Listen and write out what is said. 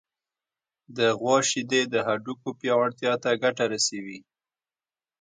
د غوا شیدې د هډوکو پیاوړتیا ته ګټه رسوي.